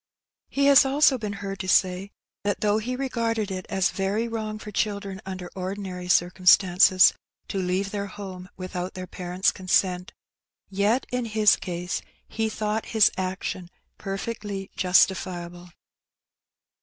He has also been heard to say, that though he regarded it as .very wrong for children under ordinary circumstances, to leave their home without their parents' consent, yet in his case he thought his action per fectly justifiable.